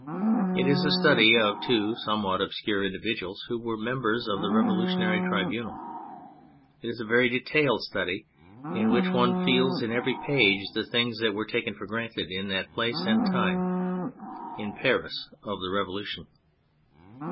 It is a study of two somewhat obscure individuals who were members of the Revolutionary Tribunal. It is a very detailed study in which one feels in every page the things that were taken for granted in that place and time in the Paris of the Revolution.